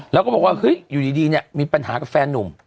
แล้วก็บอกว่าเฮ้ยอยู่ดีเนี่ยมีปัญหากับแฟนนุ่ม